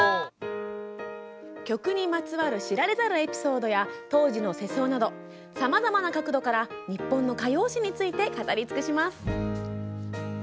曲にまつわる知られざるエピソードや当時の世相などさまざまな角度から日本の歌謡史について語り尽くします。